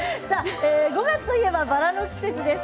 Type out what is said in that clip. ５月といえば、バラの季節。